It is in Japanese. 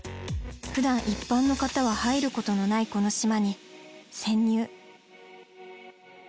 ふだん一般の方は入ることのないこの島に潜入。